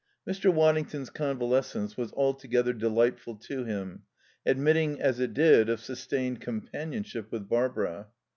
Mr. Waddington's convalescence was altogether delightful to him, admitting, as it did, of sustained companionship with Barbara.